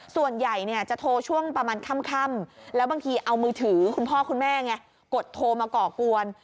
ส่วนใหญ่จะโทรช่วงประมาณค่ำแล้วบางทีเอามือถือคุณพ่อคุณแม่ไงกดโทรมาก่อกวน